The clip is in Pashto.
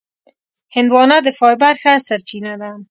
هندوانه د فایبر ښه سرچینه ده.